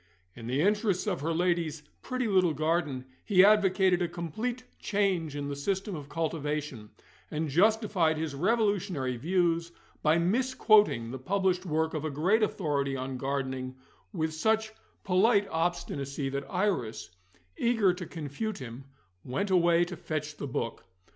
In the interests of her ladyship's pretty little garden, he advocated a complete change in the system of cultivation, and justified his revolutionary views by misquoting the published work of a great authority on gardening with such polite obstinacy that Iris (eager to confute him) went away to fetch the book.